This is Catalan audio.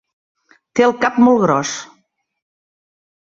Té el cap molt gros.